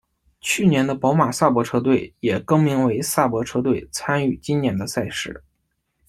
去年的宝马萨伯车队也更名为萨伯车队参与今年的赛事。